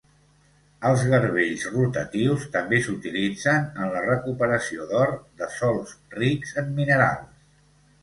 Els garbells rotatius també s'utilitzen en la recuperació d'or de sòls rics en minerals.